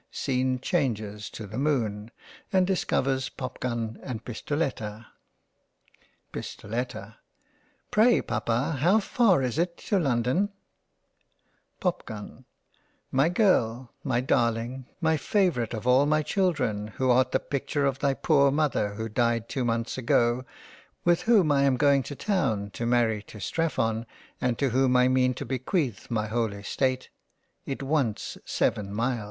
Scene changes to the Moon, and discovers Popgun and Pistoletta. Pistoletta) Pray papa how far is it to London ? Popgun) My Girl, my Darling, my favourite of all my Children, who art the picture of thy poor Mother who died two months ago, with whom I am going to Town to marry to Strephon, and to whom I mean to bequeath my whole Estate, it wants seven Miles.